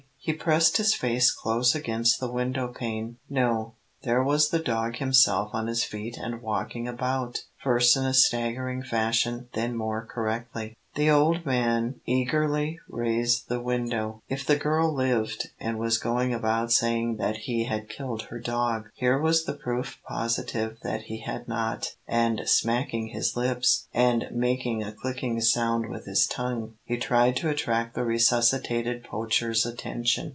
He pressed his face close against the window pane. No there was the dog himself on his feet and walking about first in a staggering fashion, then more correctly. The old man eagerly raised the window. If the girl lived, and was going about saying that he had killed her dog, here was proof positive that he had not; and smacking his lips, and making a clicking sound with his tongue, he tried to attract the resuscitated Poacher's attention.